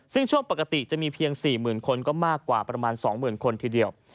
ซึ่งช่วงปกติจะมีเพียง๔๐๐๐คนก็มากกว่าประมาณ๒๐๐๐คนทีเดียว